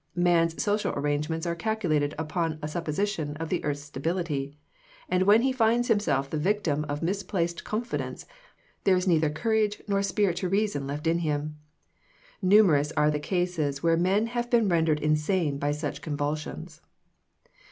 Man's social arrangements are calculated upon a supposition of the earth's stability: and when he finds himself the victim of misplaced confidence, there is neither courage nor spirit nor reason left in him. Numerous are the cases where men have been rendered insane by such convulsions.